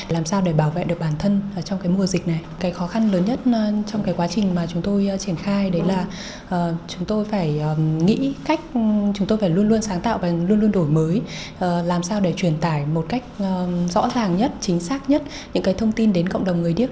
làm sao để truyền tải một cách rõ ràng nhất chính xác nhất những thông tin đến cộng đồng người điếc